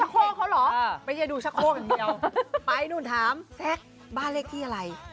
ไม่ได้ดูชักโพกเขาเหรอเออไม่ได้ดูชักโพกเหมือนเดียวไปให้หนูถามแซ็คบ้านเลขที่อะไร